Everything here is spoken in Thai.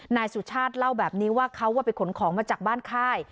นายสุชาติเล่าแบบนี้ว่าเขาไปขนของมาจากบ้านค่าย